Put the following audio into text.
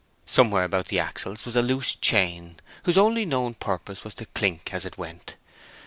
Somewhere about the axles was a loose chain, whose only known purpose was to clink as it went.